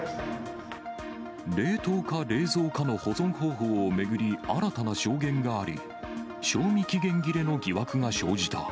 冷凍か冷蔵かの保存方法を巡り、新たな証言があり、賞味期限切れの疑惑が生じた。